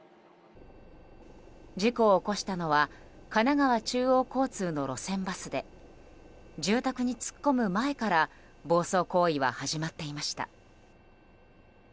事故を起こしたのは神奈川中央交通の路線バスで住宅に突っ込む前から暴走行為は始まっていました。